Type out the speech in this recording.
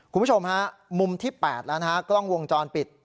คุณผู้ชมฮะมุมที่๘แล้วนะฮะกล้องวงจรปิด